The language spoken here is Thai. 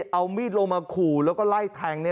เอามีดลงมาขู่แล้วก็ไล่แทง